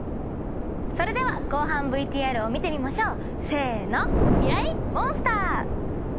それでは後半ＶＴＲを見てみましょうせーのミライ☆モンスター。